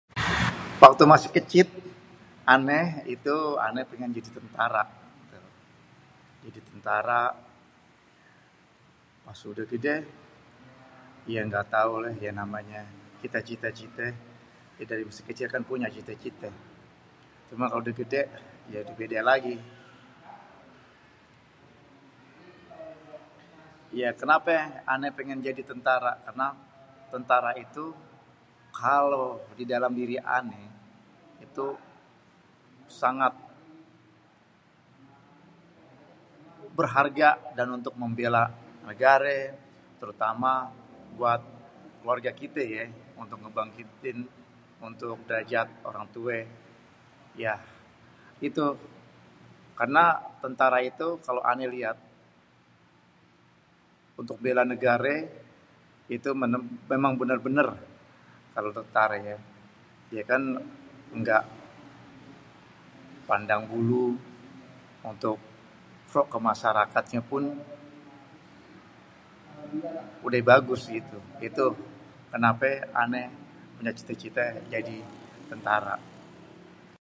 tau tu masih kécit, ané itu ané mau jadi tentara.. pas udah gédé, ya gatau lah ya namanya kita cita-cita dari masih kécit kan punya cité-cité.. cuman kalo udah gédé yaudah beda lagi.. ya kenapé ané pengen jadi tentara?.. karena tentara itu kalo di dalém diri ané itu sangat berharga dan untuk membela negaré.. terutama buat keluarga kité yé.. untuk ngébangkitin untuk derajat orang tué.. yah itu.. karena tentara itu kalo ané liat untuk béla negaré itu emang bener-bener kalo tentaré yé.. ya kan ngga pandang bulu.. untuk ke masyarakat pun udéh bagus gitu.. itu kenape ané punyé cite-cite jadi tentara..